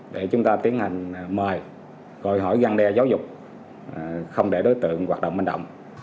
để chúng ta tiến hành mời gọi hỏi găng đe giáo dục không để đối tượng hoạt động manh động